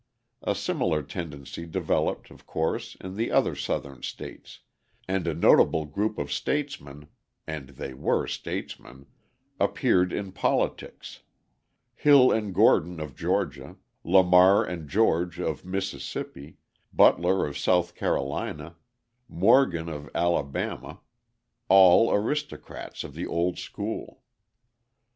A similar tendency developed, of course, in the other Southern states, and a notable group of statesmen (and they were statesmen) appeared in politics Hill and Gordon of Georgia, Lamar and George of Mississippi, Butler of South Carolina, Morgan of Alabama, all aristocrats of the old school.